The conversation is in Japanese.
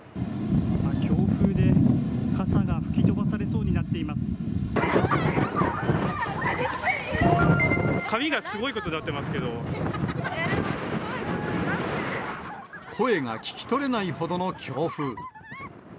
強風で、傘が吹き飛ばされそ髪がすごいことになっていまいや、声が聞き取れないほどの強風。